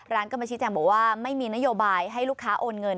ร้านก็มาชี้แจงบอกว่าไม่มีนโยบายให้ลูกค้าโอนเงิน